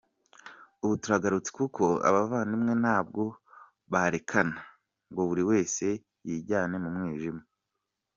Ubu turagarutse kuko abavandimwe ntabwo barekana ngo buri wese yijyane mu mwijima.